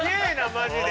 マジで！